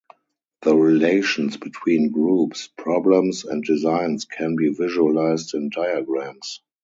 The relations between groups, problems, and designs can be visualized in diagrams.